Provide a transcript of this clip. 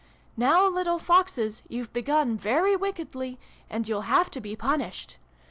' Now, little Foxes, you've begun very wickedly and you'll have to be punished.